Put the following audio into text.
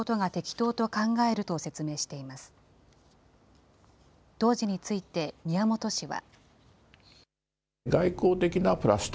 当時について、宮本氏は。